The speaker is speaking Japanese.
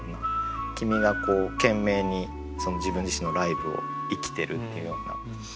君が懸命に自分自身のライブを生きてるっていうような。